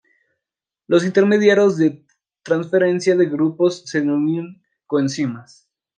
Los intermediarios de transferencia de grupos se denominan coenzimas.